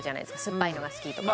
酸っぱいのが好きとか。